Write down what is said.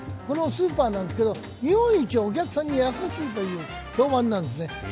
このスーパーなんですけど、日本一お客さんに優しいと評判なんです。